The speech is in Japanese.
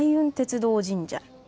鐵道神社。